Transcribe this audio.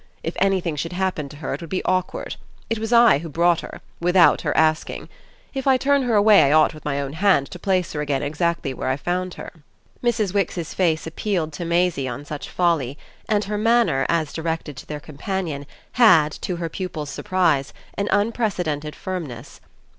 If anything should happen to her it would be awkward: it was I who brought her without her asking. If I turn her away I ought with my own hand to place her again exactly where I found her." Mrs. Wix's face appealed to Maisie on such folly, and her manner, as directed to their companion, had, to her pupil's surprise, an unprecedented firmness.